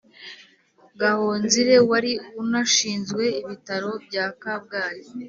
gahonzire, wari unashinzwe ibitaro bya kabgayi.